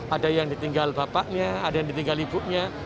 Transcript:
ada yang ditinggal bapaknya ada yang ditinggal ibunya